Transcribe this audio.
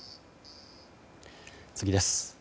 次です。